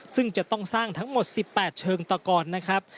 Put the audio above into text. ซึ่งจะต้องสร้างทั้งหมด๑๘เชิงตะกอนนะครับ